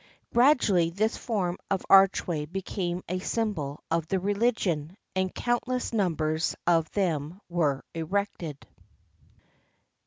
Gradually this form of archway became a symbol of the religion, and countless numbers of them were erected.